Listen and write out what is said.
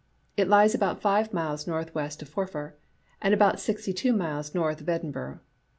It lies about five miles northwest of Forfar, and about sixty two miles north of Edinburgh.